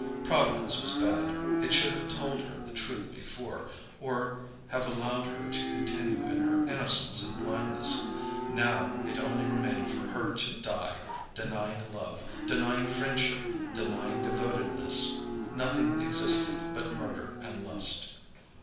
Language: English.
Providence was bad; it should have told her the truth before, or have allowed her to continue in her innocence and blindness. Now, it only remained for her to die, denying love, denying friendship, denying devotedness. Nothing existed but murder and lust.